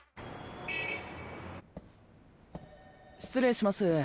失礼します。